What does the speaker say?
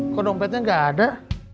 kok dompetnya gak ada